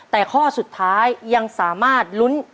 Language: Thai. แต่ข้อสุดท้ายยังสามารถลุ้น